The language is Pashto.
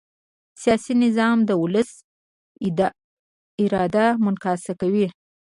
سیاسي نظام د ولس اراده منعکسوي